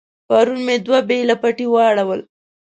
پرون مې دوه بېله پټي واړول.